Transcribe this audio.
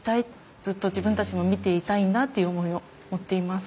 ずっと自分たちも見ていたいんだっていう思いを持っています。